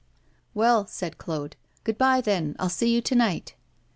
'Well,' said Claude, 'good bye, then; I'll see you to night.